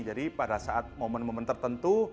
jadi pada saat momen momen tertentu